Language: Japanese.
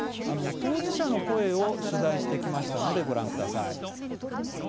当事者の声を取材してきましたのでご覧ください。